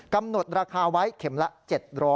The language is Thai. กำหนดราคาไว้เข็มละ๗๐๐